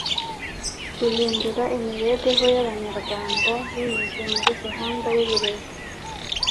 guhindura imibereho y’Abanyarwanda binyuze muri gahunda z’uburezi,